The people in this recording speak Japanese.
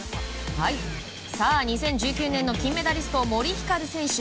さあ、２０１９年の金メダリスト森ひかる選手。